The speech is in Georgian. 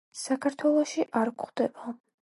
საქართველოში არ გვხვდება.